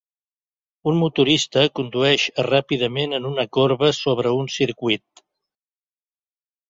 Un motorista condueix ràpidament en una corba sobre un circuit.